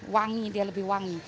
wangi dia lebih wangi